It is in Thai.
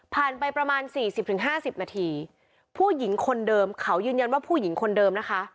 ผ่านไปประมาณ๔๐๕๐นาทีผู้หญิงคนเดิมเขายืนยันว่าผู้หญิงคนเดิมนะคะ